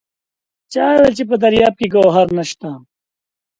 چا وایل چې په دریاب کې ګوهر نشته!